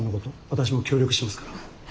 私も協力しますから。